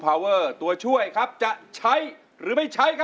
แม่อีหลากไปย้ายลูก